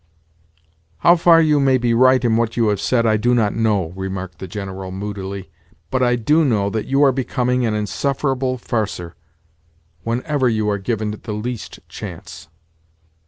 "How far you may be right in what you have said I do not know," remarked the General moodily; "but I do know that you are becoming an insufferable farçeur whenever you are given the least chance."